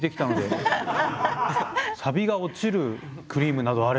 さびが落ちるクリームなどあれば。